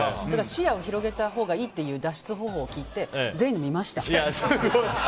視野を広げたほうがいいという脱出方法を聞いて全員のを見ました。